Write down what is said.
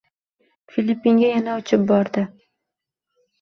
Filippinga yana uchib bordi.